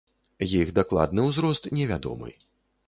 Іх дакладны ўзрост невядомы.